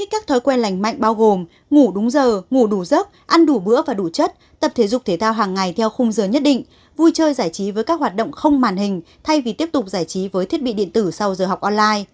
các thói quen lành mạnh bao gồm ngủ đúng giờ ngủ đủ giấc ăn đủ bữa và đủ chất tập thể dục thể thao hàng ngày theo khung giờ nhất định vui chơi giải trí với các hoạt động không màn hình thay vì tiếp tục giải trí với thiết bị điện tử sau giờ học online